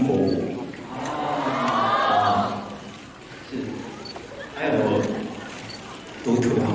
คุณจะพูดถึงกันทุกอย่าง